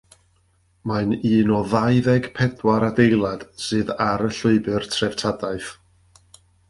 Mae'n un o ddau ddeg pedwar adeilad sydd ar y Llwybr Treftadaeth.